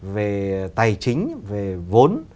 về tài chính về vốn